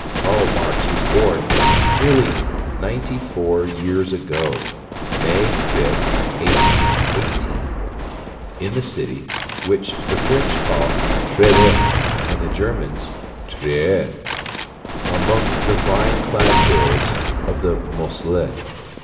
Karl Marx was born nearly ninety four years ago May 5, 1818 in the city which the French call Treves and the Germans Trier, among the vine clad hills of the Moselle.